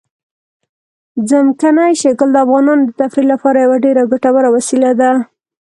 ځمکنی شکل د افغانانو د تفریح لپاره یوه ډېره ګټوره وسیله ده.